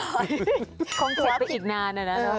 ถ้าควรจะเข้าไปอีกนานน่ะนะ